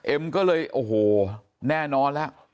เอ็มก็เลยโอ้โหแน่นอนแล้ว